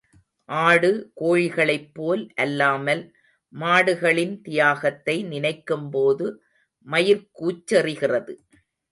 ஆடு கோழிகளைப் போல் அல்லாமல், மாடுகளின் தியாகத்தை நினைக்கும்போது, மயிர்க் கூச்செறிகிறது.